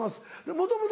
もともと？